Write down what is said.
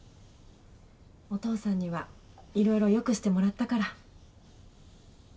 お父さんにはいろいろよくしてもらったから。